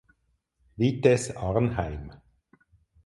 Vitesse Arnheim